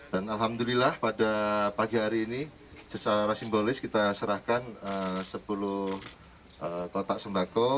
dan alhamdulillah pada pagi hari ini secara simbolis kita serahkan sepuluh kotak sembako